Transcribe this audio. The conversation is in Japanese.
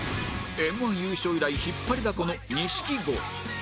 Ｍ−１ 優勝以来引っ張りだこの錦鯉